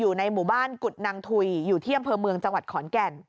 อยู่ในหมู่บ้านกุฎนางถุยอยู่ที่อำเภอเมืองจังหวัดขอนแก่น